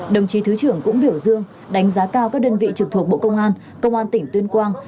đồng chí thứ trưởng cũng biểu dương đánh giá cao các đơn vị trực thuộc bộ công an công an tỉnh tuyên quang